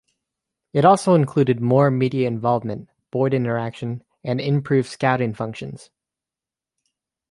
It also included more media involvement, board interaction and improved scouting functions.